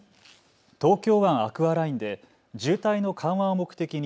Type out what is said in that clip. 東京湾アクアラインで渋滞の緩和を目的に